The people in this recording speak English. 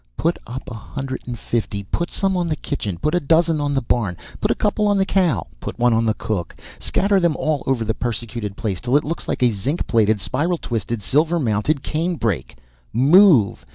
"Put up a hundred and fifty! Put some on the kitchen! Put a dozen on the barn! Put a couple on the cow! Put one on the cook! scatter them all over the persecuted place till it looks like a zinc plated, spiral twisted, silver mounted canebrake! Move!